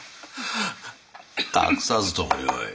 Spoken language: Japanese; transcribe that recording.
隠さずともよい。